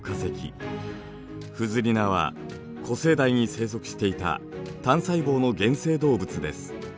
フズリナは古生代に生息していた単細胞の原生動物です。